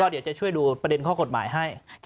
เดี๋ยวจะช่วยดูประเด็นข้อกฎหมายให้